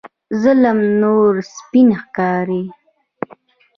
ظالم نور سپین ښکاري.